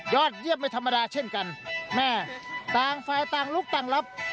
ยอดเยี่ยมไม่ธรรมดาเช่นกันแม่ต่างฝ่ายต่างลุกต่างรับ